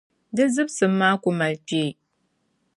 di zibisim maa ku mali kpee.